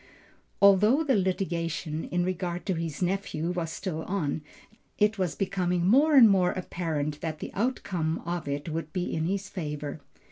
Although the litigation, in regard to his nephew was still on, it was becoming more and more apparent that the outcome of it would be in his favor.